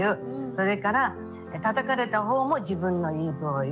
それからたたかれたほうも自分の言い分を言う。